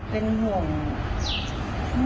เป็นห่วงทำไมล่ะ